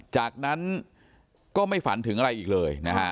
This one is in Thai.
จากนั้นก็ไม่ฝันถึงอะไรอีกเลยนะฮะ